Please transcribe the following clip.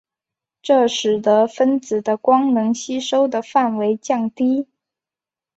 这使得分子的光能吸收的范围降低。